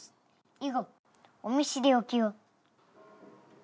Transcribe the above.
以後お見知りおきを。